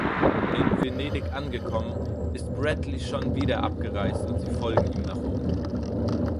In Venedig angekommen, ist Bradley schon wieder abgereist und sie folgen ihm nach Rom.